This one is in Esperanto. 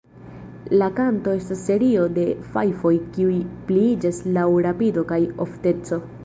La kanto estas serio de fajfoj kiuj pliiĝas laŭ rapido kaj ofteco.